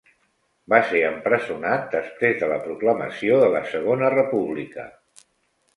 Va ser empresonat després de la proclamació de la Segona República.